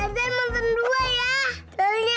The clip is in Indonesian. tarzan makan dua ya